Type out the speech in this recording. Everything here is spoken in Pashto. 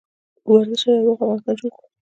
په ورزش سره یو روغ افغانستان جوړ کړو.